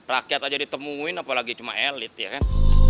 rakyat aja ditemuin apalagi cuma elit ya kan